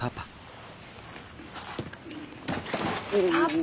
パパ！